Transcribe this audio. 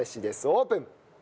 オープン！